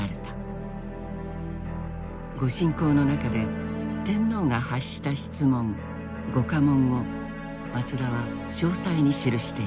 御進講の中で天皇が発した質問御下問を松田は詳細に記していた。